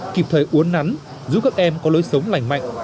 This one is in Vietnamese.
kịp thời uốn nắn giúp các em có lối sống lành mạnh